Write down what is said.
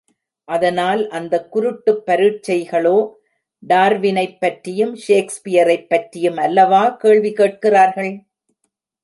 அதனால் அந்தக் குருட்டுப் பரீட்சைகளோ டார்வினைப் பற்றியும், ஷேக்ஸ்பியரைப் பற்றியும் அல்லவா கேள்வி கேட்கிறார்கள்?